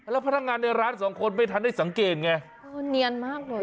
แล้วพนักงานในร้านสองคนไม่ทันได้สังเกตไงเออเนียนมากเลย